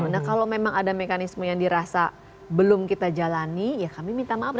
nah kalau memang ada mekanisme yang dirasa belum kita jalani ya kami minta maaf